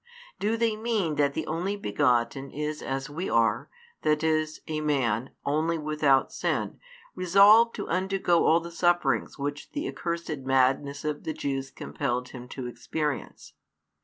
Do they mean that the Only begotten is as we are, that is, a Man, only without sin, resolved to undergo all the sufferings which the accursed madness of the Jews compelled Him to experience?